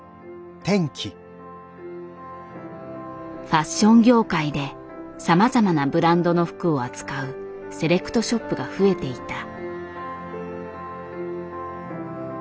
ファッション業界でさまざまなブランドの服を扱うセレクトショップが増えていた。